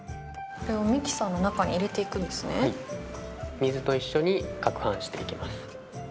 水と一緒に攪拌していきます。